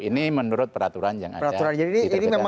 ini menurut peraturan yang ada di terbitkan oleh kementerian perhubungan